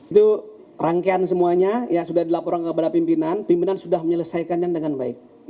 itu rangkaian semuanya ya sudah dilaporkan kepada pimpinan pimpinan sudah menyelesaikannya dengan baik